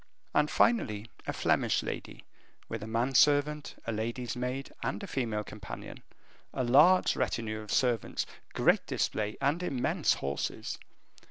And, finally, a Flemish lady, with a man servant, a lady's maid, and a female companion, a large retinue of servants, great display, and immense horses.